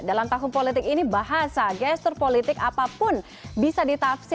dalam tahun politik ini bahasa gestur politik apapun bisa ditafsir